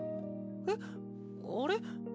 えっ？あれ？